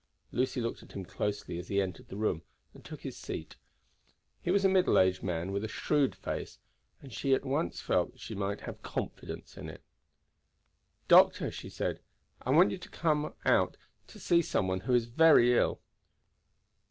Lucy looked at him closely as he entered the room and took his seat. He was a middle aged man with a shrewd face, and she at once felt that she might have confidence in it. "Doctor," she said, "I want you to come out to see some one who is very ill."